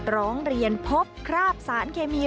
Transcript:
ร้องเรียนพบคราบสารเคมี